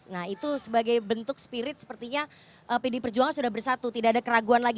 nah itu sebagai bentuk spirit sepertinya pd perjuangan sudah bersatu tidak ada keraguan lagi